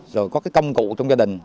rồi có cái công cụ trong gia đình